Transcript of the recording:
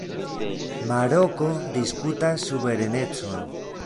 Maroko diskutas suverenecon.